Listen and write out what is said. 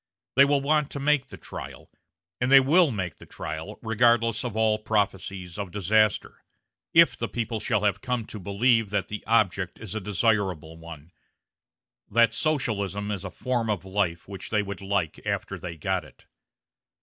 They will want to make the trial; and they will make the trial, regardless of all prophecies of disaster, if the people shall have come to believe that the object is a desirable one that Socialism is a form of life which they would like after they got it.